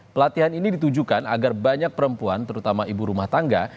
pelatihan ini ditujukan agar banyak perempuan terutama ibu rumah tangga